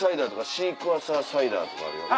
シークァーサーサイダーとかあるよ。